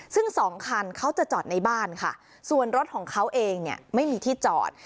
ซึ่งสองคันเขาจะจอดในบ้านค่ะส่วนรถของเขาเองเนี่ยไม่มีที่จอด